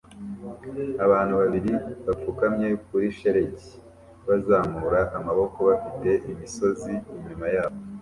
Abantu babiri bapfukamye kuri shelegi bazamura amaboko bafite imisozi inyuma yabo